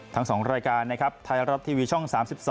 ทั้ง๒รายการนะครับไทยรัฐทีวีช่อง๓๒